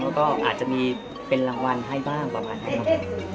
แล้วก็อาจจะมีเป็นรางวัลให้บ้างประมาณนั้นครับ